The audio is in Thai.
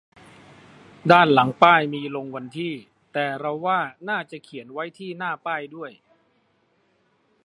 ด้านหลังป้ายมีลงวันที่ แต่เราว่าน่าจะเขียนไว้ที่หน้าป้ายด้วย